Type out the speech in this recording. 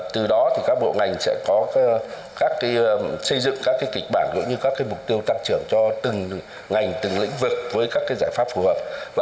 từ đó các bộ ngành sẽ xây dựng các kịch bản các mục tiêu tăng trưởng cho từng ngành từng lĩnh vực với các giải pháp phù hợp